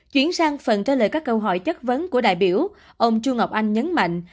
chuyển sang phần trả lời các câu hỏi chất vấn của đại biểu ông chu ngọc anh nhấn mạnh